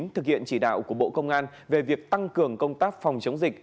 thực hiện chỉ đạo của bộ công an về việc tăng cường công tác phòng chống dịch